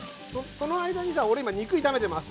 その間にさ俺今肉炒めてます。